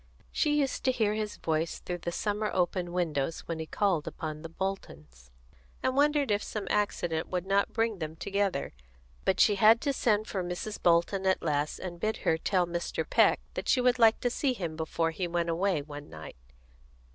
She used to hear his voice through the summer open windows when he called upon the Boltons, and wondered if some accident would not bring them together, but she had to send for Mrs. Bolton at last, and bid her tell Mr. Peck that she would like to see him before he went away, one night.